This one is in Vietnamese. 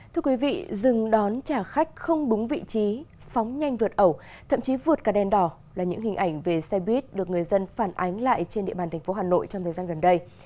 thưa quý vị dừng đón trả khách không đúng vị trí phóng nhanh vượt ẩu thậm chí vượt cả đèn đỏ là những hình ảnh về xe buýt được người dân phản ánh lại trên địa bàn tp hà nội trong thời gian gần đây